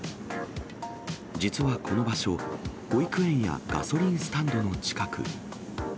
実はこの場所、保育園やガソリンスタンドの近く。